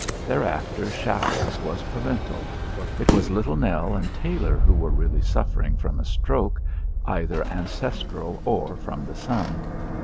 Thereafter Shackles was parental; it was Little Nell and Tailor who were really suffering from a stroke, either ancestral or from the sun.